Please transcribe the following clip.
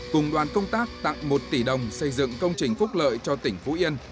cùng đoàn công tác tặng một tỷ đồng xây dựng công trình phúc lợi cho tỉnh phú yên